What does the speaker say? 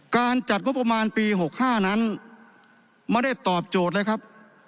การจัดงบประมาณปี๖๕นั้นไม่ได้ตอบโจทย์เลยครับ